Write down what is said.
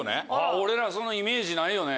俺らそのイメージないよね。